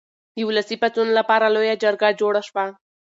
د ولسي پاڅون لپاره لویه جرګه جوړه شوه.